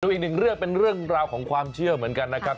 อีกหนึ่งเรื่องเป็นเรื่องราวของความเชื่อเหมือนกันนะครับ